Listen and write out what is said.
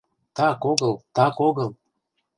— Так огыл, так огыл!